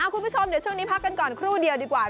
คุณผู้ชมเดี๋ยวช่วงนี้พักกันก่อนครู่เดียวดีกว่า